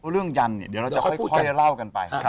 เรื่องยันเนี่ยเดี๋ยวเราจะค่อยเล่ากันไป